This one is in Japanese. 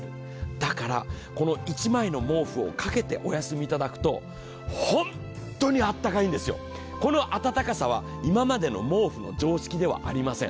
だからこの１枚の毛布をかけてお休みいただくと本当にあったかいんですよ、この温かさはこの毛布の常識ではありません。